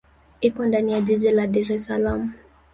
Iko ndani ya jiji la Dar es Salaam.